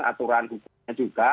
aturan hukumnya juga